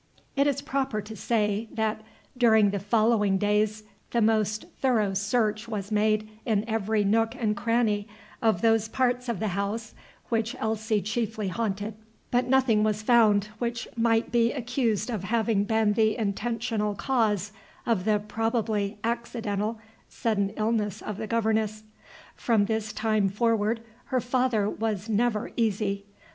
It is proper to say, that, during the following days, the most thorough search was made in every nook and cranny of those parts of the house which Elsie chiefly haunted, but nothing was found which might be accused of having been the intentional cause of the probably accidental sudden illness of the governess. From this time forward her father was never easy.